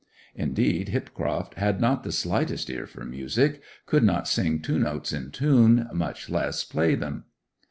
Indeed, Hipcroft had not the slightest ear for music; could not sing two notes in tune, much less play them.